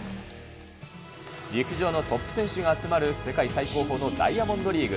陸上のトップ選手が集まる世界最高峰のダイヤモンドリーグ。